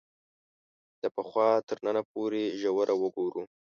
له پخوا تر ننه پورې ژوره وګورو